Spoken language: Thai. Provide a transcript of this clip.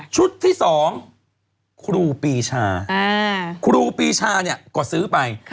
ชุดที่๒ครูปีชาครูปีชาก็ซื้อไป